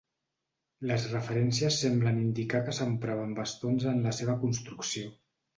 Les referències semblen indicar que s’empraven bastons en la seva construcció.